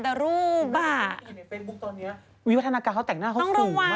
ในเฟซบุ๊คตอนนี้วิวัฒนาการเขาแตกหน้าเขาสูงมากแล้ว